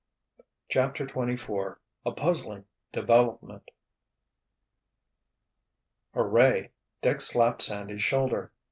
CHAPTER XXIV A PUZZLING DEVELOPMENT "Hooray!" Dick slapped Sandy's shoulder.